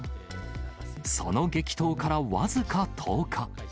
その激闘から僅か１０日。